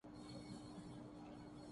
پورے ملک میں پیٹا گیا۔